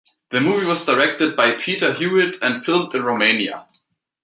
The movie was directed by Peter Hewitt and filmed in Romania.